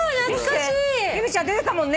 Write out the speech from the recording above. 由美ちゃん出てたもんね。